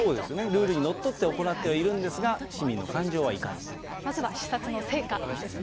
ルールにのっとって行ってはいるんですけど、市民の感情はいかにまずは視察の成果ですね。